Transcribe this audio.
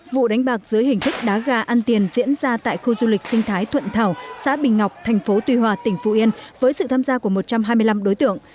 vụ đánh bạc dưới hình thức đá gà ăn tiền diễn ra tại khu du lịch sinh thái thuận thảo xã bình ngọc thành phố tuy hòa tỉnh phú yên với sự tham gia của một trăm hai mươi năm đối tượng